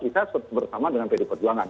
bisa bersama dengan pdi perjuangan